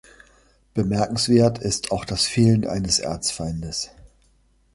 Bemerkenswert ist auch das Fehlen eines Erzfeindes.